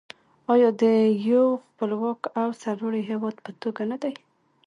آیا د یو خپلواک او سرلوړي هیواد په توګه نه دی؟